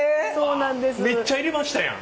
めっちゃ入れましたやん。